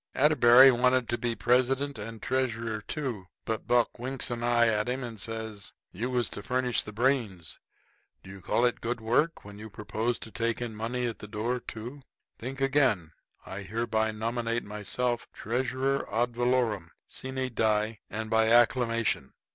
Atterbury wanted to be president and treasurer too, but Buck winks an eye at him and says: "You was to furnish the brains. Do you call it good brain work when you propose to take in money at the door, too? Think again. I hereby nominate myself treasurer ad valorem, sine die, and by acclamation.